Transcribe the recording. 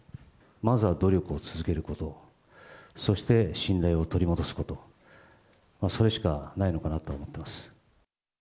まずは努力を続けること、そして信頼を取り戻すこと、それしかないのかなと思っています。